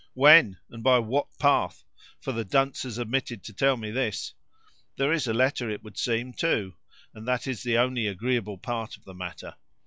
"When? and by what path? for the dunce has omitted to tell me this. There is a letter, it would seem, too; and that is the only agreeable part of the matter.